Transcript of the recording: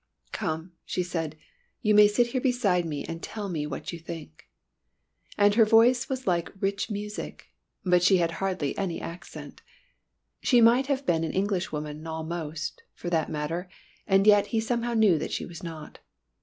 "Come," she said. "You may sit here beside me and tell me what you think." And her voice was like rich music but she had hardly any accent. She might have been an Englishwoman almost, for that matter, and yet he somehow knew that she was not.